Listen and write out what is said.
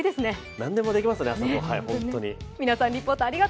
なんでもできますね、あそこ、本当に。